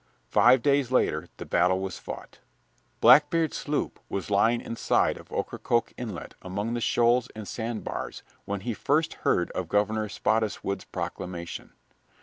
Five days later the battle was fought. Blackbeard's sloop was lying inside of Ocracoke Inlet among the shoals and sand bars when he first heard of Governor Spottiswood's proclamation.